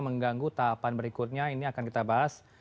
mengganggu tahapan berikutnya ini akan kita bahas